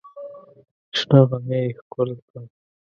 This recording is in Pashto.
شنه غمی یې ښکل کړ.